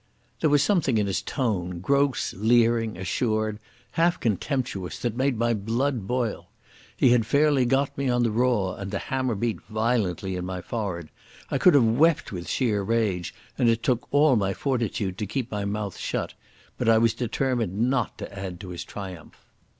There was something in his tone, gross, leering, assured, half contemptuous, that made my blood boil. He had fairly got me on the raw, and the hammer beat violently in my forehead. I could have wept with sheer rage, and it took all my fortitude to keep my mouth shut. But I was determined not to add to his triumph.